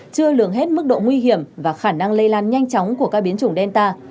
chưa lường hết mức độ nguy hiểm và khả năng lây lan nhanh chóng của các biến chủng delta